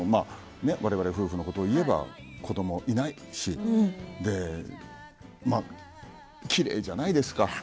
われわれ夫婦のことを言えば子どもがいないしきれいじゃないですか。